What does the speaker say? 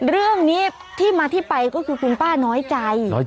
เรื่องนี้ที่มาที่ไปก็คือคุณป้าน้อยใจ